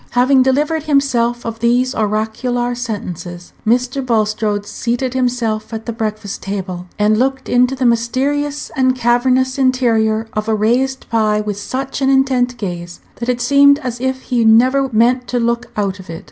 Having delivered himself of these oracular sentences, Mr. Bulstrode seated himself at the breakfast table, and looked into the mysterious and cavernous interior of a raised pie with such an intent gaze that it seemed as if he never meant to look out of it.